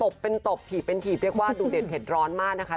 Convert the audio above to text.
บิบปากเรียบอย่างขาดนี่